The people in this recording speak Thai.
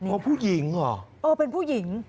พวกผู้หญิงเหรอโอ้วเป็นผู้หญิง